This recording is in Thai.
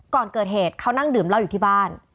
ก่อนเกิดเหตุเขานั่งดื่มเหล้าอยู่ที่บ้าน